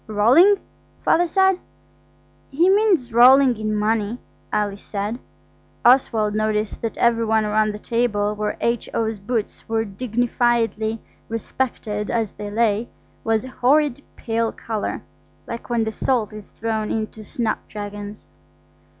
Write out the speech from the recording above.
"Rolling?" Father said. "He means rolling in money," Alice said. Oswald noticed that every one round the table where H.O.'s boots were dignifiedly respected as they lay, was a horrid pale colour, like when the salt is thrown into snapdragons.